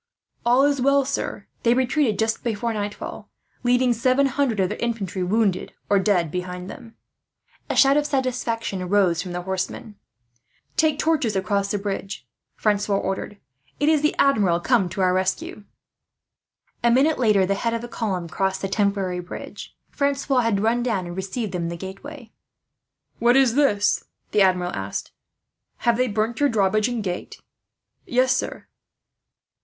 "All is well, sir. They retreated just before nightfall, leaving seven hundred of their infantry wounded or dead behind them." A shout of satisfaction rose from the horsemen. "Take torches across the bridge," Francois ordered. "It is the Admiral, come to our rescue." A minute later, the head of the column crossed the temporary bridge. Francois had run down and received them in the gateway. "What is this?" the Admiral asked. "Have they burnt your drawbridge and gate?" "Yes, sir."